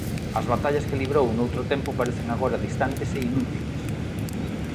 As batallas que librou noutro tempo parecen agora distantes e inútiles.